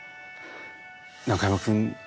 中山くん